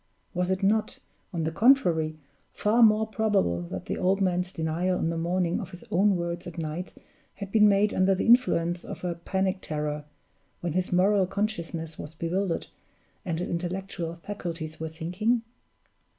Was it not, on the contrary, far more probable that the old man's denial in the morning of his own words at night had been made under the influence of a panic terror, when his moral consciousness was bewildered, and his intellectual faculties were sinking?